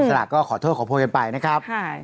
สลากก็ขอโทษขอโพยกันไปนะครับ